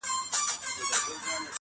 که یو ځلي دي نغمه کړه راته سازه-